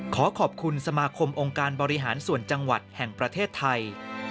ขอขอบคุณสมาคมองค์การบริหารส่วนจังหวัดแห่งประเทศไทย